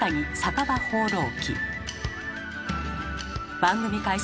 番組開始